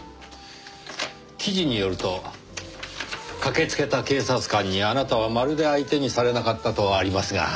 記事によると駆けつけた警察官にあなたはまるで相手にされなかったとありますが。